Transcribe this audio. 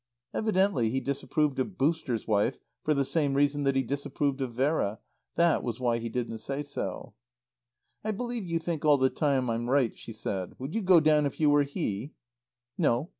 Evidently he disapproved of "Booster's" wife for the same reason that he disapproved of Vera. That was why he didn't say so. "I believe you think all the time I'm right," she said. "Would you go down if you were he?" "No.